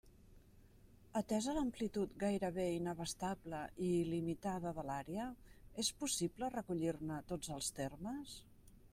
Atesa l'amplitud gairebé inabastable i il·limitada de l'àrea, és possible recollir-ne tots els termes?